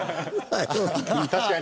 確かに。